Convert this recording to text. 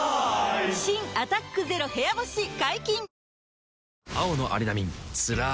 新「アタックＺＥＲＯ部屋干し」解禁‼